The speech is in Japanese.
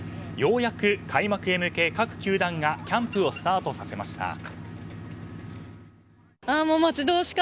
ようやく開幕へ向け各球団がキャンプをスタートさせました。